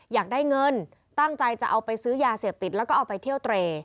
อยากได้เงินตั้งใจจะเอาไปซื้อยาเสพติดแล้วก็เอาไปเที่ยวเตร